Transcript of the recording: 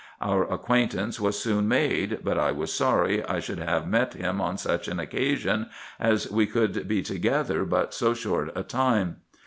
Our acquaintance was soon made, but I was sorry I should have met him on such an occasion, as we could be together but so short a time.